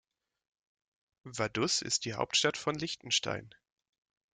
Vaduz ist die Hauptstadt von Liechtenstein.